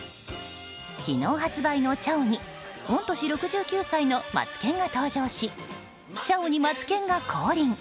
昨日発売の「ちゃお」に御年６９歳のマツケンが登場し「ちゃお」にマツケンが降臨！